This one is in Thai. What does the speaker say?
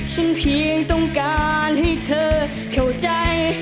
เพียงต้องการให้เธอเข้าใจ